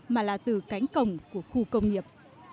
mà là từ cánh cổng của khu công nghiệp